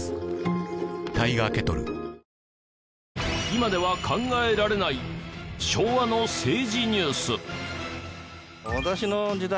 今では考えられない昭和の政治ニュース。